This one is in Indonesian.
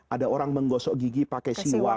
ada orang menggosok gigi pakai siwa